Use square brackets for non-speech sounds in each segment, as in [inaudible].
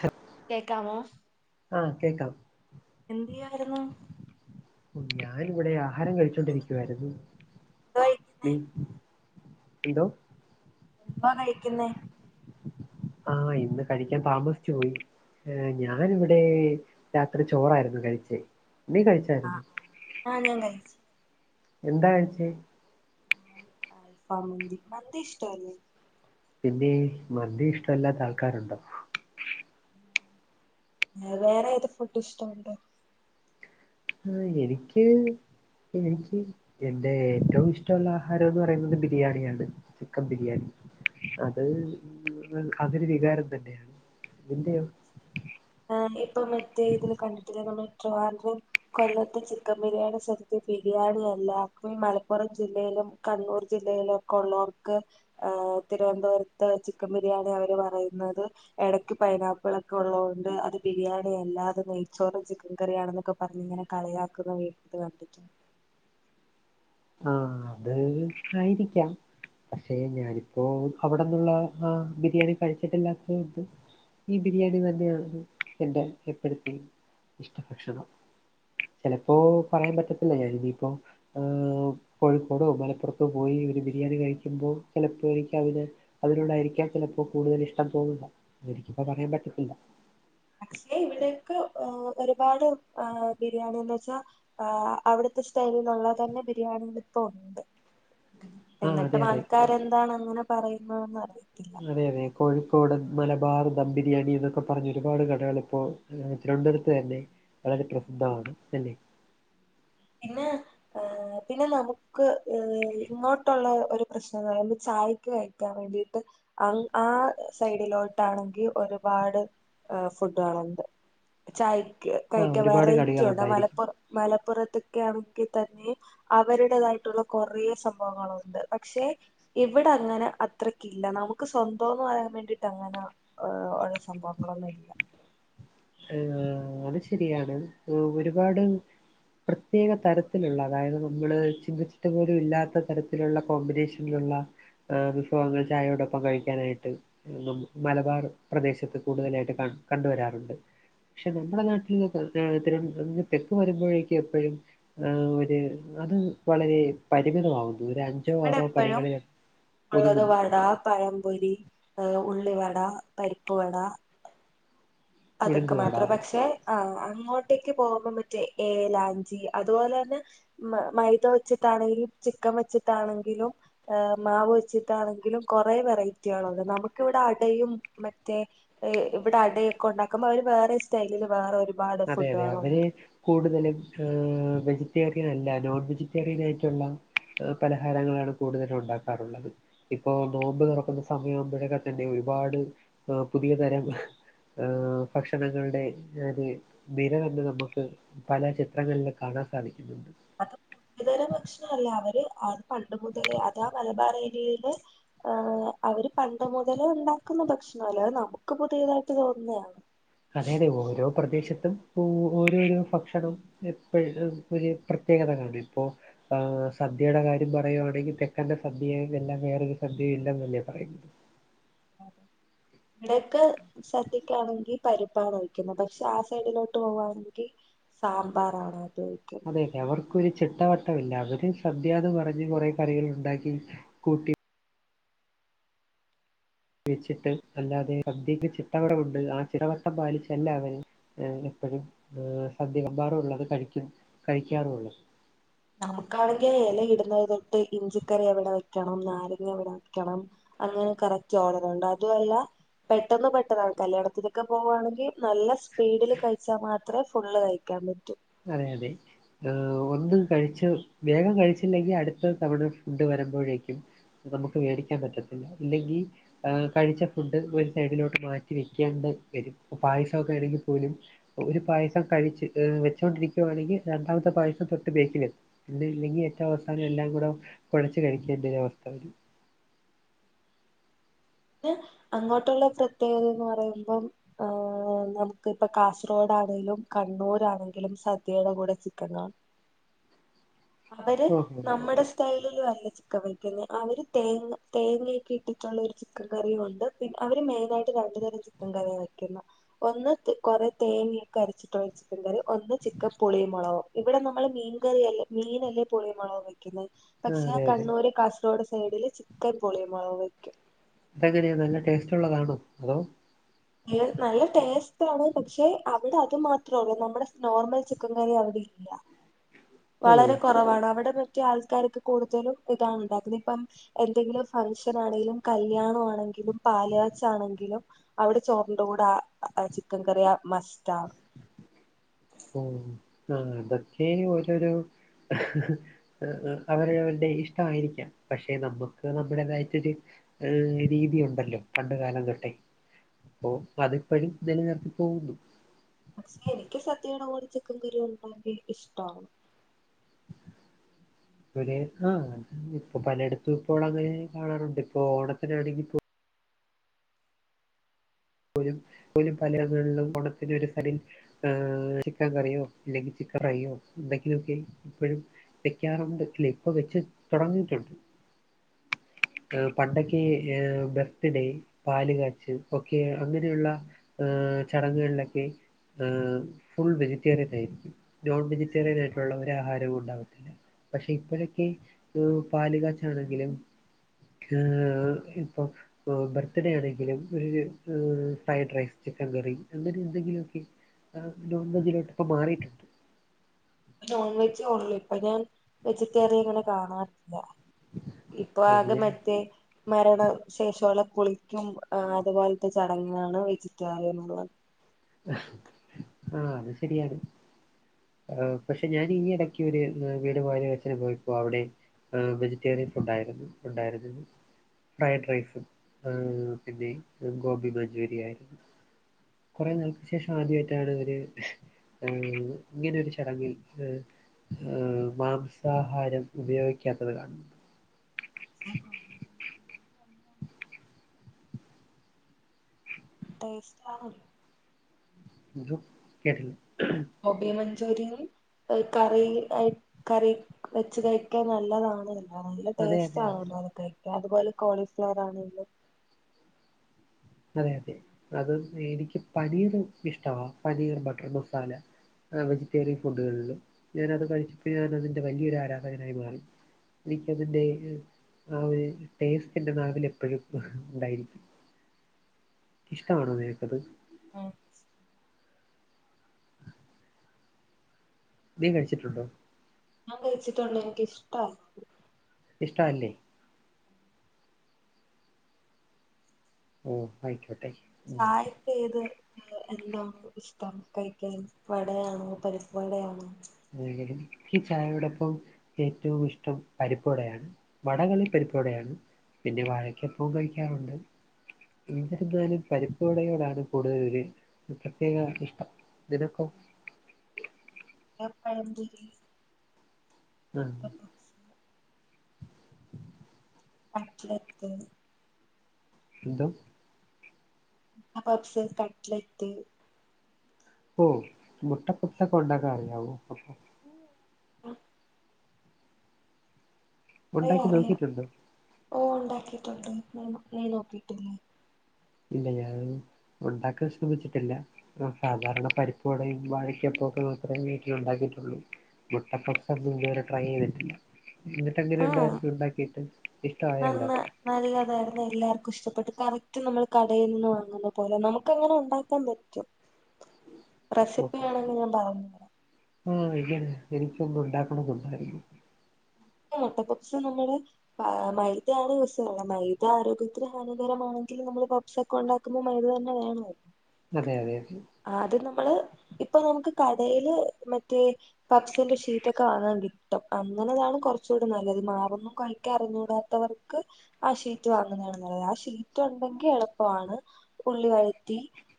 ഹ കേക്കാമോ ആഹ് കേക്കാം എന്തയ്യായിരുന്നു ഞാനിവിടെ ആഹാരം കഴിച്ചോണ്ടിരിക്കുവായിരുന്നു ദയി എന്തോ എന്തുവാ കഴിക്കുന്ന ആഹ് ഇന്ന് കഴിക്കാൻ താമസിച്ചു പോയി ഞാനിവിടെ രാത്രി ചോറായിരുന്നു കഴിച്ചേ നീ കഴിച്ചായിരുന്നോ ആഹ് ഞാൻ കയിച്ചു എന്താ കഴിച്ചേ അൽഫാ മന്തി മന്തി ഇഷ്ട അല്ലേ പിന്നെ മന്തി ഇഷ്ടല്ലാത്ത ആൾക്കാരുണ്ടോ വേറേത് ഫുഡ്‌ ഇഷ്ടമുണ്ട് ആഹ് എനിക്ക് എനിക്ക് എന്റെ ഏറ്റവും ഇഷ്ടമുള്ള ആഹാരം എന്ന് പറയുന്നത് ബിരിയാണിയാണ് ചിക്കൻ ബിരിയാണി അത് അതൊരു വികാരം തന്നെയാണ് നിന്റെയോ ആഹ് ഇപ്പം മറ്റേ ഇതില് കണ്ടിട്ടില്ല നമ്മൾ ട്രിവാൻഡ്രം കൊല്ലത്ത് ചിക്കൻ ബിരിയാണി സ്വന്തം ബിരിയാണിയല്ല ഈ മലപ്പുറം ജില്ലയിലും കണ്ണൂർ ജില്ലയിലൊക്കൊള്ളോർക്ക് തിരുവനന്തപുരത്ത് ചിക്കൻ ബിരിയാണി അവര് പറയുന്നത് ഇടയ്ക്ക് പൈനാപ്പിൾ ഒക്കെ ഉള്ളതൊണ്ട് അത് ബിരിയാണി അല്ലാത് നെയ്ച്ചോറും ചിക്കൻ കറിയാ ആണെന്നൊക്കെ പറഞ്ഞ് ഇങ്ങനെ കളിയാക്കുന്ന [unintelligible] കണ്ടിട്ടുണ്ട് ആഹ് അത് ആയിരിക്കാം പക്ഷേ ഞാനിപ്പോ അവിടെന്നുള്ള ആഹ് ബിരിയാണി കഴിച്ചിട്ടില്ലാത്തോണ്ട് ഈ ബിരിയാണി തന്നെയാണ് എന്റെ എപ്പോഴത്തേം ഇഷ്ടഭക്ഷണം ചിലപ്പോ പറയാൻ പറ്റത്തില്ല ഞാനീ ഇനിയിപ്പോ കോഴിക്കോടോ മലപ്പുറത്തോ പോയി ഒരു ബിരിയാണി കഴിക്കുമ്പോ ചിലപ്പോ എനിക്ക് അതിൽ അതിലോടായിരിക്കാം ചിലപ്പോ കൂടുതൽ ഇഷ്ടം തോന്നുന്നേ അതെനിക്കിപ്പോ പറയാൻ പറ്റത്തില്ല പക്ഷേ ഇവിടെക്കെ ആഹ് ഒരുപാട് ആഹ് ബിരിയാണിന്ന് പ്രസ്സാ ആഹ് അവിടുത്തെ സ്റ്റൈലിലുള്ള തന്നെ ബിരിയാണികൾ ഇപ്പ ഉണ്ട് ആ അതെ എന്നിട്ടും അതെ ആൾക്കാര്ന്താണ് അങ്ങനെ പറയുന്നന്ന് അറിയില്ല അതെ അതെ കോഴിക്കോട് മലബാർ ദം ബിരിയാണി എന്നൊക്കെ പറഞ്ഞ് ഒരുപാട് കടകൾ ഇപ്പോൾ തിരുവനന്തപുരത്ത് തന്നെ വളരെ പ്രസിദ്ധമാണ് അല്ലെ പിന്നെ അഹ് പിന്നെ നമുക്ക് ഇങ്ങോട്ടുള്ള ഒരു പ്രശ്നം എന്ന് പറയുമ്പൊ ചായക്ക് കഴിക്കാൻ വേണ്ടിട്ട് അഹ് ആഹ് സൈഡിലോട്ടാണെങ്കിൽ ഒരുപാട് ഫുഡ്കളുണ്ട് ചായ്ക്ക് ആ കയിക്കാൻ ഒരുപാട് വെറൈറ്റി കടികൾ ഉണ്ട് ഉണ്ടായിരിക്കും മലപ്പുറം മലപ്പുറത്ത് ഒക്കെ ആണങ്കിൽ തന്നെ അവരുടേതായിട്ടുള്ള കൊറെ സംഭവങ്ങളുണ്ട് പക്ഷെ ഇവിടെ അങ്ങനെ അത്രക്കില്ല നമുക്ക് സ്വന്തംന്ന് പറയാൻ വേണ്ടിട്ട് അങ്ങന ഉള്ള സംഭവങ്ങളൊന്നും ഇല്ല ആഹ് അത് ശരിയാണ് ഒരുപാട് പ്രത്യേക തരത്തിലുള്ള അതായത് നമ്മള് ചിന്തിച്ചിട്ട് പോലും ഇല്ലാത്ത തരത്തിലുള്ള കോമ്പിനേഷൻ ഉള്ള വിഭവങ്ങൾ ചായയോടൊപ്പം കഴിക്കാനായിട്ട് മലബാർ പ്രദേശത്ത് കൂടുതലായിട്ട് കണ്ട് വരാറുണ്ട്. പക്ഷെ നമ്മുടെ നാട്ടില് ഇത്തരം തെക്ക് വരുമ്പോഴേക്കും എപ്പോഴും ആഹ് ഒരു അത് വളരെ പരിമിതമാവുന്നു ഒരഞ്ച് ഇവിടെ എപ്പോഴും ഉള്ളത് വടാ പഴംപൊരി ഏഹ് ഉള്ളിവട പരിപ്പ് വട അതൊക്കെ മാത്രം ഉഴുന്നുവട പക്ഷെ ആഹ് അങ്ങോട്ടേക്ക് പോകുമ്പോത്തേക്ക് മറ്റേ ഏലാഞ്ചി അതുപോലെ തന്നെ മൈദ വെച്ചിട്ടാണെങ്കിലും ചിക്കൻ വെച്ചിട്ടാണെങ്കിലും മാവ് വെച്ചിട്ടാണെങ്കിലും കുറെ വെറൈറ്റി ആണുള്ളത് നമുക്ക് ഇവിടെ അടയും മറ്റേ ഇവിടെ അടയൊക്കെ ഉണ്ടാക്കുമ്പോ അവര് വേറെ സ്റ്റൈലില് വേറരു അതെ അതെ അവര് കൂടുതലും ഏഹ് വെജിറ്റേറിയൻ അല്ല നോൺ വെജിറ്റേറിയൻ ആയിട്ടുള്ള പലഹാരങ്ങളാണ് കൂടുതൽ ഉണ്ടാക്കാറുള്ളത് ഇപ്പൊ നോമ്പ് തുറക്കുന്ന സമയാവുമ്പോഴൊക്കെ തന്നെ ഒരുപാട് പുതിയ തരം ഏഹ് ഭക്ഷണങ്ങളുടെ ഒര് നിര തന്നെ നമുക്ക് പല ചിത്രങ്ങളിലും കാണാൻ സാധിക്കുന്നുണ്ട് അത് പുതിയതരം ഭക്ഷണല്ല അവര് അത് പണ്ട് മുതലേ അത് ആ മലബാർ ഏരിയയില് ഹാ അവര് പണ്ട് മുതലേ ഉണ്ടാക്കുന്ന ഭക്ഷണല്ലെ അത് നമുക്ക് പുതിയതായിട്ട് തോന്നുന്നതാണ് അതെ അതെ ഓരോ പ്രദേശത്തും ഓരോരോ ഭക്ഷണം എപ്പോഴും ഒരു പ്രത്യേകത ഇണ്ട് ഇപ്പോ ആഹ് സദ്യയുടെ കാര്യം പറയുകയാണെങ്കിൽ തെക്കന്റെ സദ്യയല്ലാതെ വേറൊരു സദ്യയും ഇല്ലെന്നല്ലേ പറയുന്ന ഇവിടെക്കെ സദ്യക്കാണെങ്കിൽ പരിപ്പാണ് ഒഴിക്കുന്നത് പക്ഷെ ആ സൈഡിലോട്ട് പോകുവാണെങ്കിൽ സാമ്പാറാണ് ആദ്യമൊയിക്ക അതെ അവർക്കൊരു ചിട്ടാവട്ടമില്ല അവര് സദ്യ എന്ന് പറഞ്ഞ് കുറേ കറികൾ ഉണ്ടാക്കി കൂട്ടി വച്ചിട്ട് അല്ലാതെ സദ്യക്ക് ചിട്ടവട്ടം ഉണ്ട് ആ ചിട്ടവട്ടം പാലിച്ചല്ല അവർ എപ്പോഴും സദ്യ വിളമ്പാറുള്ളത് കഴിക്കും കഴിക്കാറുള്ളത് നമുക്കാണെങ്കിൽ ഇല ഇടുന്നത് തൊട്ട് ഇഞ്ചിക്കറി എവിടെ വെക്കണം നാരങ്ങ എവിടെ വെക്കണം അങ്ങനെ കറക്റ്റ് ഓർഡറുണ്ട് അതുമല്ല പെട്ടെന്ന് പെട്ടന്നാണ് കല്യാണത്തിലൊക്കെ പോകുവാണെങ്കിൽ നല്ല സ്പീഡിൽ കഴിച്ചാൽ മാത്രമേ ഫുള്ള് കഴിക്കൂ കഴിയ്ക്കാൻ പറ്റൂ അതെ അതെ ഒന്ന് കഴിച്ചു വേഗം കഴിച്ചില്ലെങ്കിൽ അടുത്ത തവണ ഫുഡ് വരുമ്പോഴേക്കും നമുക്ക് മേടിക്കാൻ പറ്റത്തില്ല ഇല്ലെങ്കിൽ കഴിച്ച ഫുഡ് ഒരു സൈഡിലോട്ട് മാറ്റി വെക്കേണ്ടി വരും പായസമൊക്കെ ആണെങ്കിൽ പോലും ഒരു പായസം കഴിച്ച് വെച്ചുകൊണ്ടിരിക്കുവാണെങ്കിൽ രണ്ടാമത്തെ പായസം തൊട്ട് ബാക്കിൽ എത്തും ഉണ്ടില്ലെങ്കിൽ ഏറ്റവും അവസാനം എല്ലാം കൂടെ കുഴച്ചു കഴിക്കേണ്ട ഒരു അവസ്ഥ വരും പിന്നെ അങ്ങോട്ടുള്ള പ്രത്യേകത എന്ന് പറയുമ്പം നമുക്ക് ഇപ്പ കാസർഗോഡാണേലും കണ്ണൂർ ആണേലും സദ്യയുടെ കൂടെ ചിക്കൻ കാണും അവര് ഓഹോ നമ്മടെ സ്റ്റൈലിലും അല്ലാ ചിക്കൻ വയ്ക്കുന്നേ അവര് തേങ്ങ തേങ്ങയൊക്കെ ഇട്ടിട്ടുള്ള ഒരു ചിക്കൻ കറിയും ഉണ്ട് പിന്നെ അവര് മെയിനായിട്ട് രണ്ടു തരം ചിക്കൻ കറിയ വെക്കുന്നേ ഒന്ന് കുറെ തേങ്ങയൊക്കെ അരച്ചിട്ടുള്ള ചിക്കൻ കറി ഒന്ന് ചിക്കൻ പുളിയും മുളകും ഇവിടെ നമ്മള് മീൻകറിയല്ലേ മീനല്ലേ പുളി മുളകും വെക്കുന്നേ പക്ഷേ ആ അതെ അതെ കണ്ണൂര് കാസർഗോഡ് സൈഡില് ഒക്കെ പുളിയും മുളകും വെക്കും അതെങ്ങനെയാ നല്ല ടേസ്റ്റുള്ളതാണോ അതോ ഏഹ് നല്ല ടേസ്റ്റ് ആണ് പക്ഷെ അവിടെ അത് മാത്രൊള്ളൂ നമ്മുടെ നോർമൽ ചിക്കൻ കറി അവിടെ ഇല്ല ഓ വളരെ കുറവാണ് അവിടെ മറ്റേ ആൾക്കാരൊക്കേ കൂടുതലും ഇതാണ് ഉണ്ടാക്കുന്നത് ഇപ്പം എന്തെങ്കിലും ഫംഗ്ഷൻ ആണെലും കല്യാണം ആണെങ്കിലും പാല് കാച്ചാണെങ്കിലും അവിടെ ചോറിന്റെ കൂടെ ആഹ് ചിക്കൻ കറിയ മസ്റ്റ് ആണ് ഉം അതൊക്കെ ഓരോരോ അവരവരുടെ ഇഷ്ടമായിരിക്കാം പക്ഷെ നമുക്ക് നമ്മുടേതായിട്ടൊരു ഒരു രീതിയുണ്ടല്ലോ പണ്ട് കാലം തൊട്ടേ അപ്പം അതിപ്പഴും നില നിർത്തി പോകുന്നു പക്ഷെ എനിക്ക് സദ്യയുടെ കൂടെ ചിക്കൻ കറി ഉള്ളത് എനിക്ക് ഇഷ്ടമാണ് ഒരേ ആഹ് ഇപ്പൊ പലയിടത്തും ഇപ്പോൾ അങ്ങനെ കാണാറുണ്ട് ഇപ്പോ ഓണത്തിനാണെങ്കി ഇപ്പോ [unintelligible] ഓണത്തിന് ഒരു സ്ഥലം ആഹ് ചിക്കൻ കറിയോ അല്ലെങ്കിൽ ചിക്കൻ ഫ്രൈയോ എന്തൊങ്കിലൊക്കെ ഇപ്പഴും വയ്ക്കാറുണ്ട് ഇല്ലേ ഇപ്പ വെച്ച് തുടങ്ങീട്ടുണ്ട് ആഹ് പണ്ടൊക്ക ഏഹ് ബർത്ത്ഡേ പാല് കാച്ച് ഒക്കെ അങ്ങനെയുള്ള ഏഹ് ചടങ്ങുകളിലൊക്കെ ഏഹ് ഫുൾ വെജിറ്റേറിയൻ ആയിരിക്കും നോൺ വെജിറ്റേറിയൻ ആയിട്ടുള്ള ഒരു ആഹാരവും ഉണ്ടാവത്തില്ല പക്ഷെ ഇപ്പോഴൊക്കെ ഏഹ് പാല് കാച്ചാണെങ്കിലും ഏഹ് ഇപ്പം ബർത്ത്ഡേ ആണെങ്കിലും ഒരു ഏഹ് ഫ്രൈഡ് റൈസ് ചിക്കൻ കറി അങ്ങനെ എന്തെങ്കിലൊക്കെ ഏഹ് നോൺ വെജ്ജിലോട്ട് ഇപ്പോ മാറിട്ടുണ്ട് നോൺ വെജ്ജെ ഒള്ളൂ ഇപ്പൊ ഞാൻ വെജിറ്റേറിയൻ അങ്ങനെ കാണാറില്ല ഇപ്പൊ ഓ ആകെ ഞാൻ മറ്റേ മരണ ശേഷമുള്ള കുളിക്കും അതുപോലത്തെ ചടങ്ങാണ് വെജിറ്റേറിയൻ ഉള്ളത് ആഹ് അത് ശരിയാണ് ഏഹ് പക്ഷെ ഞാൻ ഈ എടക്ക് ഒരു വീട് പാല് കാച്ചിന് പോയപ്പോ അവിടെയും ഏഹ് വെജിറ്റേറിയൻ ഫുഡായിരുന്നു ഉണ്ടായിരുന്നത് ഫ്രൈഡ് റൈസും ഏഹ് പിന്നെ ഗോബി മഞ്ചൂരിയായിരുന്നു കുറേ നാളുകൾക്ക് ശേഷം ആദ്യമായിട്ടാണ് ഒരു ഏഹ് ഇങ്ങനെ ഒരു ചടങ്ങിൽ ഏഹ് ഏഹ് മാംസാഹാരം ഉപയോഗിക്കാത്തത് കാണുന്നുണ്ട് [inaudible] ടേസ്റ്റാണ് എന്തോ കേട്ടില്ല ഗോബി മഞ്ചൂരിയനും ഈ കറിയായി കറി വെച്ച് കഴിക്കാൻ നല്ലതാണ് നല്ല അതെ അതെ ടേസ്റ്റ് അതെ ആണല്ലോ അത് കഴിക്കാൻ അതുപോലെ കോളിഫ്ലവർ ആണെങ്കിലും അതെ അതെ അത് എനിക്ക് പനീർ ഇഷ്ടവാ പനീർ ബട്ടർ മസാല അഹ് വെജിറ്റേറിയൻ ഫുഡുകളില് ഞാന അത് കഴിച്ച് ഞാൻ അതിൻ്റെ വലിയൊരു ആരാധകനായി മാറി എനിക്കതിന്റെ ആഹ് ഒരു ടേസ്റ്റ് എന്റെ നാവില് എപ്പഴും ഇണ്ടായിരിക്കും ഇഷ്ടമാണോ നിനക്കത് അഹ് നീ കഴിച്ചിട്ടുണ്ടോ ഞാൻ കഴിച്ചിട്ടുണ്ട് എനിക്കിഷ്ടാ ഇഷ്ടവല്ലെ ഓ ആയിക്കോട്ടെ ഉം ആ [unintelligible] ഏത് എന്താണോ ഇഷ്ടം കഴിക്കാൻ വടയാണോ പരിപ്പ് വടയാണോ? എങ്ങനെ ഇക്ക് ചായയോടൊപ്പം. ഏറ്റവും ഇഷ്ടം പരിപ്പ് വടയാണ് വടകളിൽ പരിപ്പ് വടയാണ്. പിന്നെ വാഴക്കപ്പോം കഴിക്കാറുണ്ട്. എന്നിരുന്നാലും പരിപ്പുവടയോടാണ് കൂടുതല ഒരു പ്രത്യേക ഇഷ്ടം നിനക്കോ [unintelligible] പഴമ്പൊരി ആ കട്ലറ്റ് എന്തോ പപ്സ്, കട്ട്ലറ്റ്. ഓ മുട്ട പപ്സൊക്കെ ഉണ്ടാക്കാനറിയാവോ? അറിയാം ഉണ്ടാക്കി അറിയാം നോക്കിയിട്ടുണ്ടോ? ഓ ഉണ്ടാക്കിട്ടുണ്ട് നീ നീ നോക്കിട്ടില്ലേ. ഇല്ല ഞാൻ ഉണ്ടാക്കാൻ ശ്രമിച്ചിട്ടില്ല. ഉം സാധാരണ പരിപ്പ് വടയും വാഴക്കപ്പൊക്കെ മാത്രേ വീട്ടില് ഉണ്ടാക്കിയിട്ടൊള്ളു. മുട്ടപപ്സൊന്നും ഇതുവരെ ട്രൈ ചെയ്തിട്ടില്ല. എന്നിട്ടെങ്ങനെ ആഹ് ഉണ്ടായിരുന്നു ഉണ്ടാക്കിട്ട് നന്ന ഇഷ്ടമായൊല്ലാം നല്ലതായിരുന്നു എല്ലാവർക്കും ഇഷ്ടപ്പെട്ട് കറക്റ്റ് നമ്മൾ കടയിൽ നിന്ന് വാങ്ങുന്ന പോലെ നമുക്ക് അങ്ങനെ ഉണ്ടാക്കാൻ പ റ്റും റെസിപ്പി വാണെങ്കിൽ ഞാൻ പറഞ്ഞ ഉം [unintelligible] എനിക്കൊന്ന് ഉണ്ടാക്കണന്നുണ്ടായിന്നു. മുട്ടപപ്സ് നമ്മള് മൈദയാണ് യൂസ് ചെയ്യുന്നത് മൈദ ആരോഗ്യത്തിന് ഹാനികരമാണെങ്കിലും നമ്മള് പ പ്സൊക്കെ ഉണ്ടാക്കുമ്പോ മൈദ തന്നെ വേണോലോ അതെ അതെ അതെ ആദ്യം നമ്മള് ഇപ്പൊ നമ്മക്ക് കടയില് മറ്റേ പപ്സിന്റെ ഷീറ്റ് ഒക്കെ വാങ്ങാൻ കിട്ടും അങ്ങനെതാണ് കൊ റച്ചൂടെ നല്ലത് മാവൊന്നും കൊഴക്കാൻ അറിഞ്ഞൂടാത്തവർക്ക്. ആ ഷീറ്റ് വാങ്ങുന്നതാണ് നല്ലത് ആ ഷീറ്റ് ഉണ്ടെങ്കിൽ എളുപ്പമാണ് ഉള്ളി വഴറ്റി.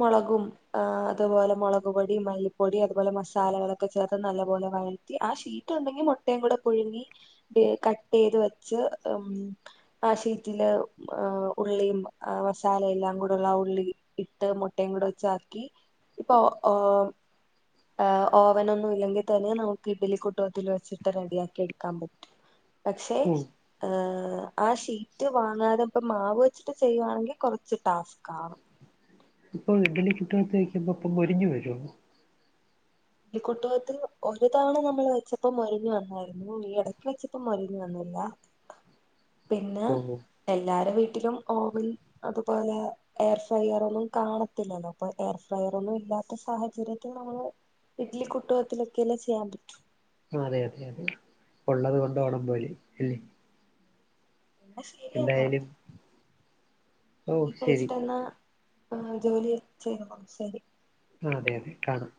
മൊളകും അതുപോലെ മൊളക് പൊടിം മല്ലിപ്പൊടി അതുപോലെ മസാലകളൊക്കെ ചേർത്ത് നല്ലപോലെ വയ് റ്റി ആ ഷീറ്റ് ഉണ്ടെങ്കിൽ മുട്ടയും കൂടെ പുഴുങ്ങി കട്ട് ചെയ്ത് വെച്ച് ഉം. ആ ഷീറ്റില് ഉള്ളിയും ആ മസാല എല്ലാം കൂടെള്ള ആ ഉള്ളി. ഇട്ട് മുട്ടയും കൂടെ വച്ചാക്കി ഇപ്പൊ ഓ ഓ ഓവനൊന്നും ഇല്ലെങ്കി തന്നെ നമുക്ക് ഇഡലി കുട്ടകത്തിൽ വെച്ചിട്ട് റെഡിയാക്കി ടു ക്കാം പറ്റും പക്ഷെ ഉം ഹേ ആ ഷീറ്റ് വാങ്ങാതെ ഇപ്പ മാവ് വെച്ചിട്ട് ചെയ്യുവാണെങ്കിൽ കൊറച്ച് ടാസ്കാണ് ഇപ്പൊ ഇഡലി കുട്ടകത്തിൽ വെക്കുമ്പോ ഇപൊ മൊരിഞ്ഞു വരൊ? ഈ കുട്ടകത്തിൽ ഒരു തവണ നമ്മൾ വെച്ചപ്പൊ മൊരിഞ്ഞു വന്നായിരുന്നു ഈ എടക്ക് വെച്ചപ്പൊ മൊരിഞ്ഞു വന്നില്ല. പിന്നെ ഓ എല്ലാരും വീട്ടിലും ഓവൻ അതുപോലെ. എയർ ഫ്രയർ ഒന്നും കാണത്തില്ലല്ലോ അപ്പൊ എയർ ഫ്രയർ ഒന്നും ഇല്ലാത്ത സാഹചര്യത്തിൽ നമ്മള്. ഇഡ്ലി കുട്ടകത്തിലൊക്കെ അല്ലെ ചെയ്യാൻ പറ്റു. അതെ അതെ അതെ ഉള്ളത് കൊണ്ട് ഓണം പോലെ ന്നാ ശരിയെന്നാ. എന്തായാലും ഓ ഫുഡ്‌ ശരി കഴിച്ചിട്ടെന്നാ ജോലി ചെയ്തക്കോ ശരി ആഹ് അതെ അതെ കാണും